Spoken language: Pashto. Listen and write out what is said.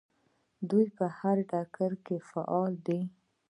دوی په هر ډګر کې فعالې دي.